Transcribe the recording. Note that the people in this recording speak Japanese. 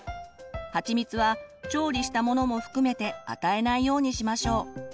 はちみつは調理したものも含めて与えないようにしましょう。